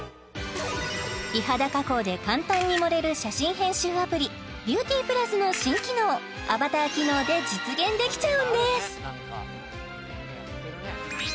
美肌加工で簡単に盛れる写真編集アプリＢｅａｕｔｙＰｌｕｓの新機能アバター機能で実現できちゃうんです